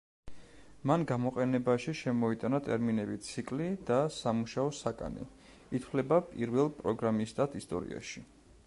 მან გამოყენებაში შემოიტანა ტერმინები „ციკლი“ და „სამუშაო საკანი“, ითვლება პირველ პროგრამისტად ისტორიაში.